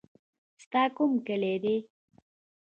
ستا کوم کلی دی.